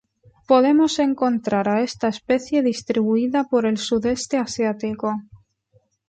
Podemos encontrar a esta especie distribuida por el Sudeste asiático.